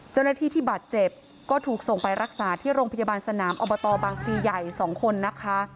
เจ้าหน้าที่ที่บาดเจ็บก็ถูกส่งไปรักษาที่โรงพยาบาลสนามอบตบางพลีใหญ่๒คนนะคะ